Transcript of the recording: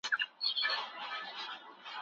د پوهني بودیجه باید په نورو برخو کي ونه لګول سي.